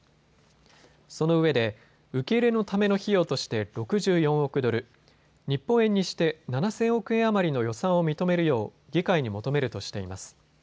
そのうえで受け入れのための費用として６４億ドル、日本円にして７０００億円余りの予算を認めるよう議会に求めるとしています。